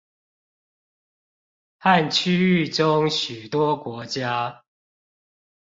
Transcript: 和區域中許多國家